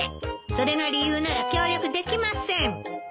それが理由なら協力できません。